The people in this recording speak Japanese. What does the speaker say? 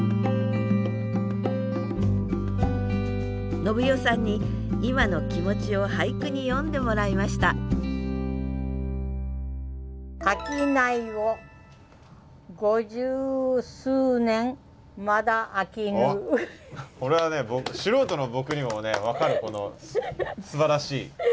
伸代さんに今の気持ちを俳句に詠んでもらいましたこれはね素人の僕にもね分かるほどすばらしい。